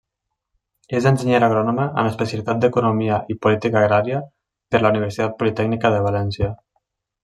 És enginyera agrònoma en especialitat d'Economia i Política Agrària per la Universitat Politècnica de València.